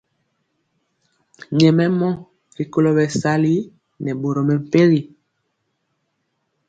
Nyɛmemɔ rikolo bɛsali nɛ boro mɛmpegi.